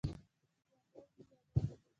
ژوندی دې وي افغان ملت